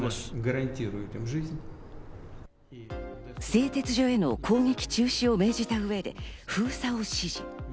製鉄所への攻撃中止を命じた上で封鎖を指示。